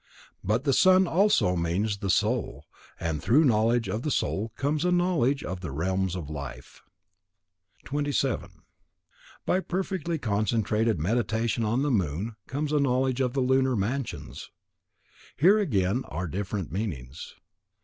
But the sun also means the Soul, and through knowledge of the Soul comes a knowledge of the realms of life. 27. By perfectly concentrated Meditation on the moon comes a knowledge of the lunar mansions. Here again are different meanings.